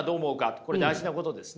これ大事なことですね。